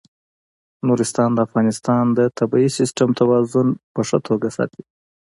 نورستان د افغانستان د طبعي سیسټم توازن په ښه توګه ساتي.